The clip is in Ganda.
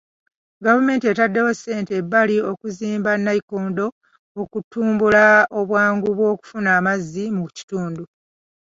Gavumenti etaddewo ssente ebbali okuzimba nayikondo okutumbula obwangu bw'okufuna amazzi mu kitundu.